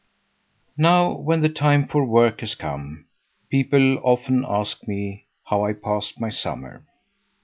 Now, when the time for work has come, people often ask me how I passed my summer.